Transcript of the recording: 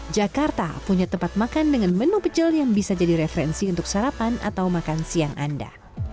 jakarta punya tempat makan dengan menu pecel yang bisa jadi referensi untuk sarapan atau makan siang anda